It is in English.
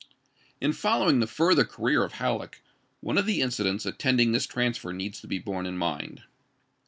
In following the further career of Halleck, one of the incidents attending this transfer needs to be borne in mind.